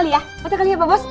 wah foto kali ya pak bos